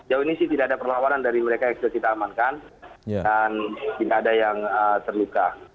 jauh ini sih tidak ada perlawanan dari mereka yang sudah kita amankan dan tidak ada yang terluka